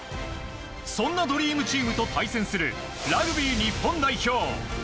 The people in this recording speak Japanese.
そんなドリームチームと対戦するラグビー日本代表。